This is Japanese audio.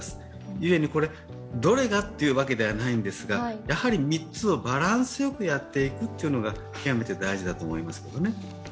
ゆえに、どれがというわけではないんですがやはり３つをバランス良くやっていくっていうことが、極めて大事だと思いますよね。